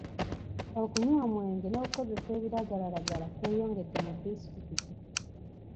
Okunywa omwenge n'okukozesa ebiragalalagala kweyongedde mu disitulikiti.